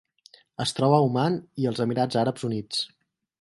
Es troba a Oman i els Emirats Àrabs Units.